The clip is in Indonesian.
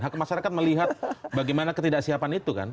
hak masyarakat melihat bagaimana ketidaksiapan itu kan